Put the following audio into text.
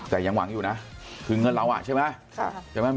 แต่ยังหวังอยู่นะคือเงินเราอ่ะใช่ไหม